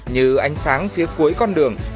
như ánh sáng phía cuối con đường